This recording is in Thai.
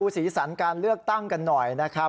สีสันการเลือกตั้งกันหน่อยนะครับ